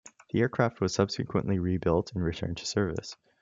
The aircraft was subsequently rebuilt and returned to service.